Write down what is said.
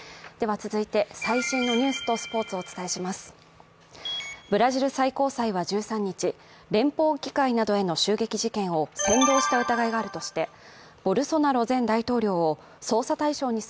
続いて最新のニュースとスポーツをお伝えします。